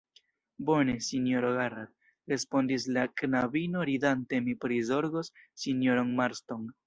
Bone, sinjoro Garrat, respondis la knabino, ridante, mi prizorgos sinjoron Marston.